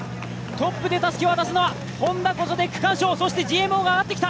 トップでたすきを渡すのはＨｏｎｄａ、区間賞。